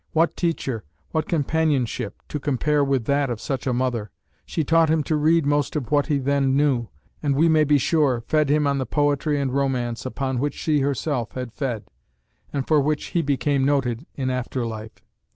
What teacher, what companionship, to compare with that of such a mother! She taught him to read most of what he then knew, and, we may be sure, fed him on the poetry and romance upon which she herself had fed, and for which he became noted in after life.